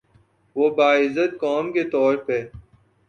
وہ باعزت قوم کے طور پہ